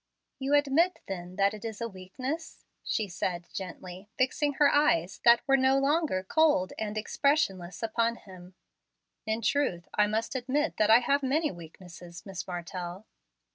"You admit, then, that it is a weakness?" she said gently fixing her eyes, that were no longer cold and expressionless, upon him. "In truth, I must admit that I have many weaknesses, Miss Martell."